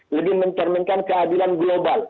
lebih mencerminkan keadilan global